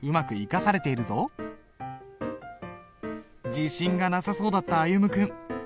自信がなさそうだった歩夢君。